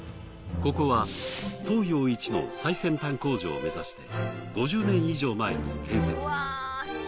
ここは東洋一の最先端工場を目指して５０年以上前に建設。